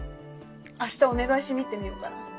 明日お願いしに行ってみようかな。